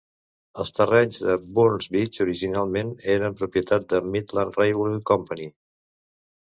Els terrenys de Burns Beach originalment eren propietat de Midland Railway Company.